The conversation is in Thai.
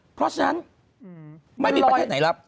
เพราะฉะนั้นไม่มีประเทศไหนรับ